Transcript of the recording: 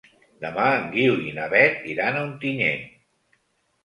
Demà en Guiu i na Beth iran a Ontinyent.